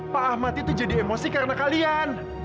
pak ahmad itu jadi emosi karena kalian